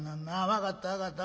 分かった分かった。